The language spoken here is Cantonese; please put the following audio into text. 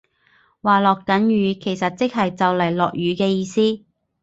話落緊雨其實即係就嚟落雨嘅意思